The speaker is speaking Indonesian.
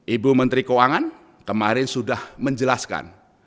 ibu menteri keuangan kemarin sudah menjelaskan